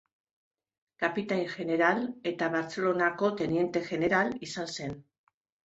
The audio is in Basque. Kapitain jeneral eta Bartzelonako teniente jeneral izan zen.